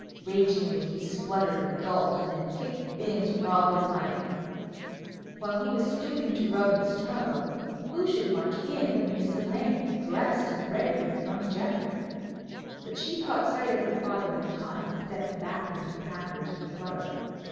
Ragingly he spluttered and gulped, and then kicked the bins with all his might. While he was stooping to rub his toe, who should march in but Miss Elaine, dressed and ready for young Geoffrey. But she caught sight of her father in time, and stepped back into the passage in a flutter.